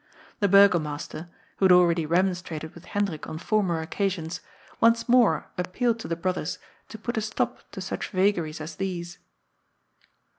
The Burgomaster, who had already re monstrated with Hendrik on former occasions, once more appealed to the brothers to put a stop to such vagaries as these.